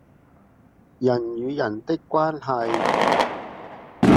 人與人的關係